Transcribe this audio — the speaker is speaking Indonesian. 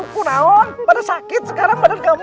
kurawan pada sakit sekarang badan kamu